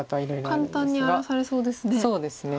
簡単に荒らされそうですね。